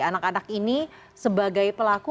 anak anak ini sebagai pelaku